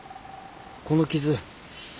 この傷。